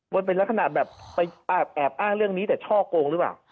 มันเป็นลักษณะแบบไปแอบอ้างเรื่องนี้แต่ช่อโกงหรือเปล่า